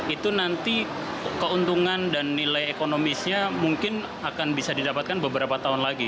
itu nanti keuntungan dan nilai ekonomisnya mungkin akan bisa didapatkan beberapa tahun lagi